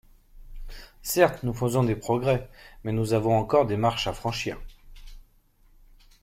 Certes nous faisons des progrès, mais nous avons encore des marches à franchir.